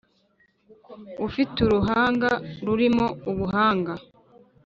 ufite uruhanga rurimo ubuhanga